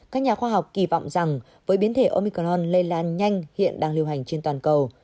các nhà khoa học kỳ vọng rằng với biến thể omicron lây lan nhanh hiện đang lưu hành trên toàn cầu